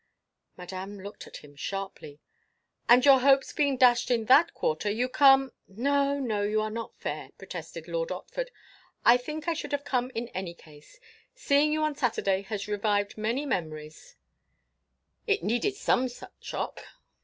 Madame looked at him sharply. "And your hopes being dashed in that quarter, you come—" "No, you are not fair!" protested Lord Otford. "I think I should have come in any case. Seeing you on Saturday has revived many memories—" "It needed some such shock."